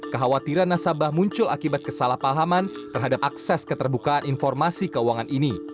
kekhawatiran nasabah muncul akibat kesalahpahaman terhadap akses keterbukaan informasi keuangan ini